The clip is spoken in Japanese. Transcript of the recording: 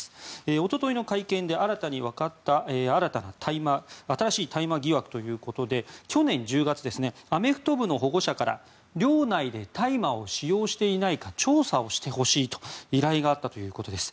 一昨日の会見で新たに分かった新しい大麻疑惑ということで去年１０月アメフト部の保護者から、寮内で大麻を使用していないか調査をしてほしいと依頼があったということです。